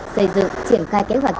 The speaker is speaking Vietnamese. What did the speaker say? xây dựng triển khai kế hoạch